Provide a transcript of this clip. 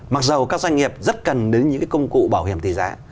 mặc dù các doanh nghiệp rất cần đến những công cụ bảo hiểm tỷ giá